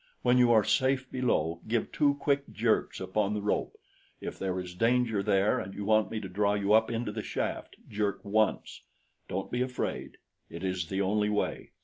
When you are safe below, give two quick jerks upon the rope. If there is danger there and you want me to draw you up into the shaft, jerk once. Don't be afraid it is the only way."